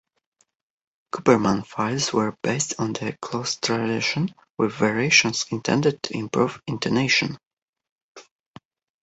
Cooperman fifes were based on the Cloos tradition, with variations intended to improve intonation.